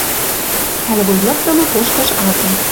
Ӓль вуй лыкдымы кошкыш азым.